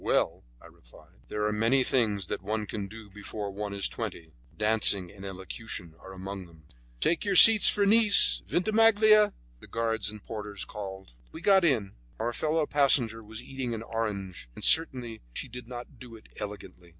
"Well," I replied, "there are many things which one can do before one is twenty; dancing and elocution are among them." "Take your seats for Nice, Vintimiglia," the guards and porters called. We got in; our fellow passenger was eating an orange, and certainly she did not do it elegantly.